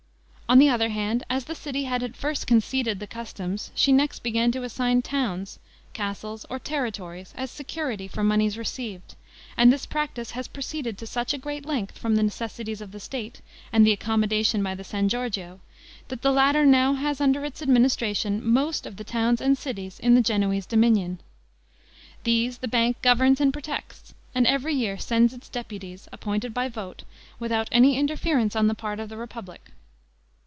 On the other hand, as the city had at first conceded the customs, she next began to assign towns, castles, or territories, as security for moneys received; and this practice has proceeded to such a length, from the necessities of the state, and the accommodation by the San Giorgio, that the latter now has under its administration most of the towns and cities in the Genoese dominion. These the Bank governs and protects, and every year sends its deputies, appointed by vote, without any interference on the part of the republic.